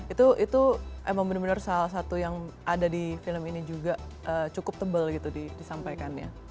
itu emang bener bener salah satu yang ada di film ini juga cukup tebal gitu disampaikannya